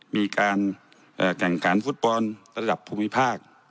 มีการแข่งขันฟุตบอลระดับภูมิภาค